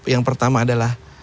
yang pertama adalah